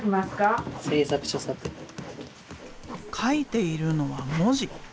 書いているのは文字。